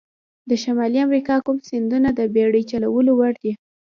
د شمالي امریکا کوم سیندونه د بېړۍ چلولو وړ دي؟